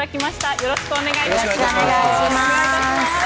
よろしくお願いします。